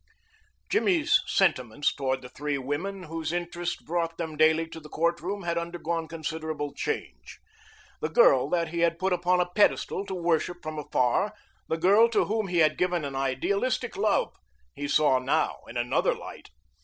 Jimmy's sentiments toward the three women whose interests brought them daily to the court room had undergone considerable change. The girl that he had put upon a pedestal to worship from afar, the girl to whom he had given an idealistic love, he saw now in another light.